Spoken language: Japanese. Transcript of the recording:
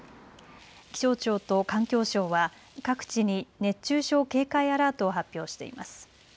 気象庁と環境省は各地に熱中症警戒アラートを発表しています。